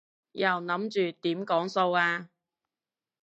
又諗住點講數啊？